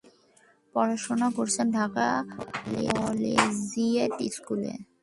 পড়াশোনা করেছেন ঢাকা কলেজিয়েট স্কুলে।